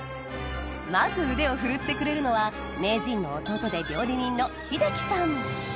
まず腕を振るってくれるのは名人の弟で料理人の秀樹さん